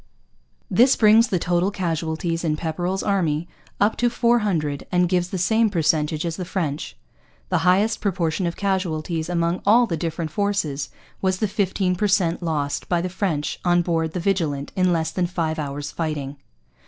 This brings the total casualties in Pepperrell's army up to four hundred and gives the same percentage as the French. The highest proportion of casualties among all the different forces was the fifteen per cent lost by the French on board the Vigilant in less than five hours' fighting.